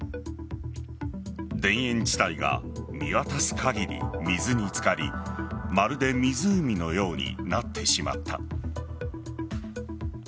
田園地帯が見渡す限り水に漬かりまるで湖のようになってしまった。